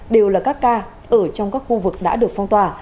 đều là các ca ở trong các khu vực đã được phong tỏa